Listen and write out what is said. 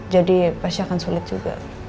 jadi pasti akan sulit juga